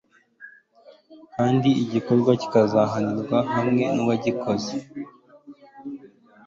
kandi igikorwa kikazahanirwa hamwe n'uwagikoze